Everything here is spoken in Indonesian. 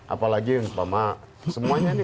apalagi semuanya ini